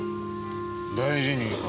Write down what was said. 大事にか。